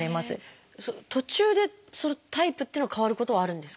途中でタイプっていうのが変わることはあるんですか？